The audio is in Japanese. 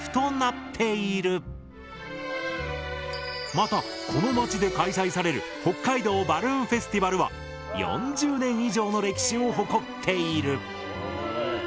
またこの町で開催される「北海道バルーンフェスティバル」は４０年以上の歴史を誇っている！